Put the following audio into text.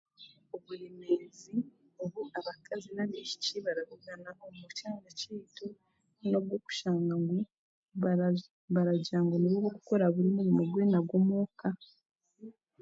Obureemeezi obu abakazi n'abaishiki barabugana omu kyanga kyaitu n'obwokushanga ngu baraza baragira ngu nibo b'okukora buri murimo gwena ogw'omuuka